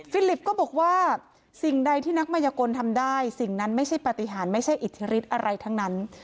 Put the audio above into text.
ลิปก็บอกว่าสิ่งใดที่นักมายกลทำได้สิ่งนั้นไม่ใช่ปฏิหารไม่ใช่อิทธิฤทธิ์อะไรทั้งนั้น